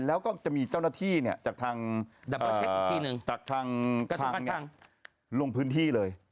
แล้วก็จะมีเจ้าหน้าที่เนี่ยจากทางลงพื้นที่เลย